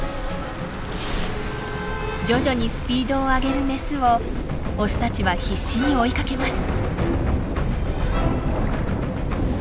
徐々にスピードを上げるメスをオスたちは必死に追いかけます。